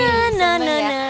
nah nah nah nah